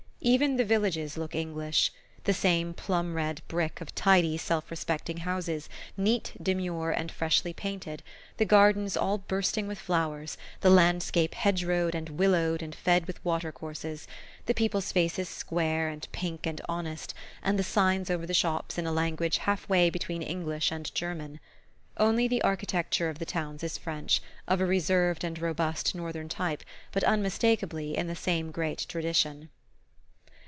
Even the villages look English: the same plum red brick of tidy self respecting houses, neat, demure and freshly painted, the gardens all bursting with flowers, the landscape hedgerowed and willowed and fed with water courses, the people's faces square and pink and honest, and the signs over the shops in a language half way between English and German. Only the architecture of the towns is French, of a reserved and robust northern type, but unmistakably in the same great tradition.